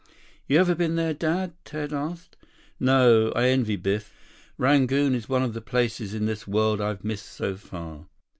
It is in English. "You ever been there, Dad?" Ted asked. "No. I envy Biff. Rangoon is one of the places in this world I've missed so far."